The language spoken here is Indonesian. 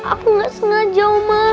aku gak sengaja mama